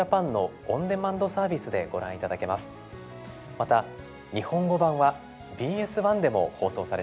また日本語版はＢＳ１でも放送されています。